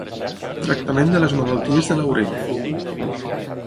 Tractament de les malalties de l'orella.